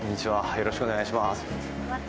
よろしくお願いします。